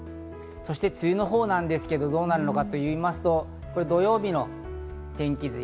そして梅雨のほうなんですけど、どうなるのかと言いますと、これ、土曜日の天気図。